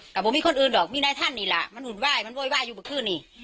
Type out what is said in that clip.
กับมีคนอื่นหรอกมีนายท่านนี่ละมันหุ่นว่ายมันโว้ยว่ายอยู่บุคือนี่